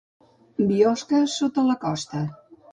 Biosca, sota la costa.